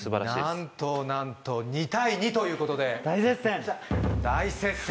なんとなんと２対２ということで大接戦！